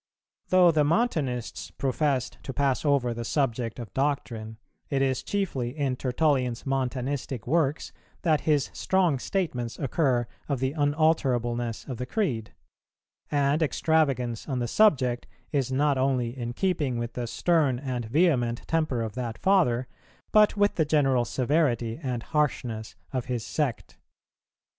Though the Montanists professed to pass over the subject of doctrine, it is chiefly in Tertullian's Montanistic works that his strong statements occur of the unalterableness of the Creed; and extravagance on the subject is not only in keeping with the stern and vehement temper of that Father, but with the general severity and harshness of his sect.